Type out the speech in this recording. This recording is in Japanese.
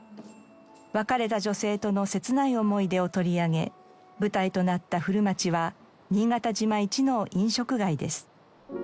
別れた女性との切ない思い出を取り上げ舞台となった古町は新潟島一の飲食街です。